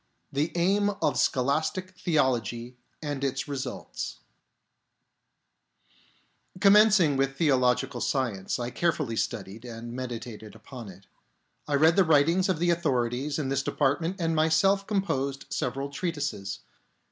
The Aim of Scholastic Theology and its Results Commencing with theological science, I care fully studied and meditated upon it. I read the writings of the authorities in this department and myself composed several treatises.